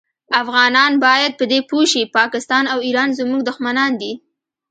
افغانان باید په دي پوه شي پاکستان او ایران زمونږ دوښمنان دي